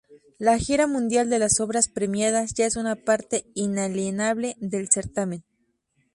La gira mundial de las obras premiadas ya es una parte inalienable del certamen.